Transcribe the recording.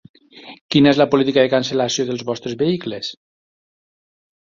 Quina és la política de cancel·lació dels vostres vehicles?